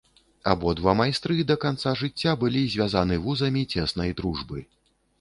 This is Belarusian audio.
Абодва майстры да канца жыцця былі звязаны вузамі цеснай дружбы.